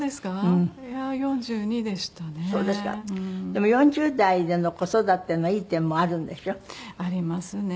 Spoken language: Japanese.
でも４０代での子育てのいい点もあるんでしょ？ありますね。